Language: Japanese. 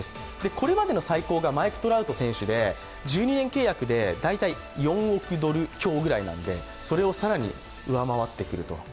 これまでの最高がマイク・トラウト選手で１２年契約で大体４億ドル強ぐらいなんでそれを更に上回ってくると。